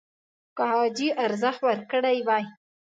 که حاجي ارزښت ورکړی وای